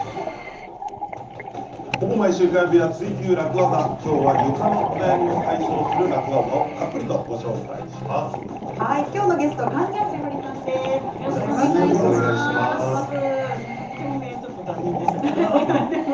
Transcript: ほぼ毎週火曜日は「ツイＱ楽ワザ」、きょうは床のお悩みを解消する楽ワザをたっぷりとご紹介します。